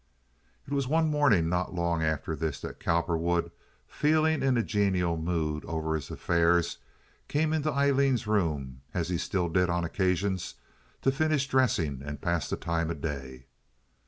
It was one morning not long after this that Cowperwood, feeling in a genial mood over his affairs, came into Aileen's room, as he still did on occasions, to finish dressing and pass the time of day.